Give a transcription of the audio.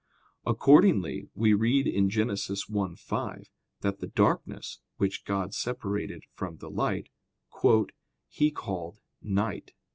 Accordingly we read in Gen. 1:5 that the darkness, which God separated from the light, "He called night."